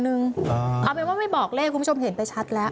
เอาเป็นว่าไม่บอกเลขคุณผู้ชมเห็นไปชัดแล้ว